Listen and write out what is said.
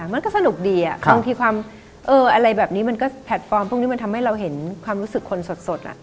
มันก็สนุกดีบางทีความอะไรแบบนี้มันก็แพลตฟอร์มพวกนี้มันทำให้เราเห็นความรู้สึกคนสด